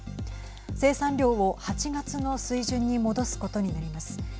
生産量を８月の水準に戻すことになります。